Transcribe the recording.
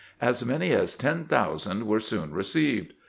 As many as ten thousand were soon received.